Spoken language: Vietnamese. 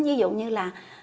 ví dụ như là